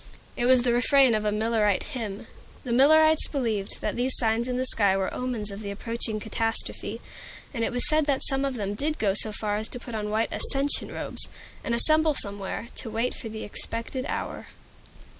It was the refrain of a Millerite hymn. The Millerites believed that these signs in the sky were omens of the approaching catastrophe. And it was said that some of them did go so far as to put on white "ascension robes," and assemble somewhere, to wait for the expected hour.